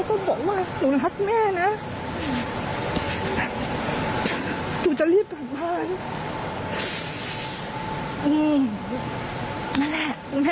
แม่ไม่รู้ว่านี่เป็นกอดสุดท้ายของลูก